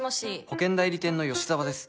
保険代理店の吉沢です